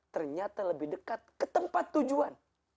ternyata lebih dekat ke tempat tujuan